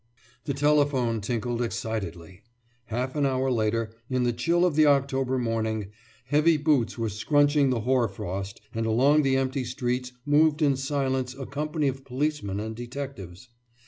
The telephone tinkled excitedly. Half an hour later, in the chill of the October morning, heavy boots were scrunching the hoar frost and along the empty streets moved in silence a company of policemen and detectives.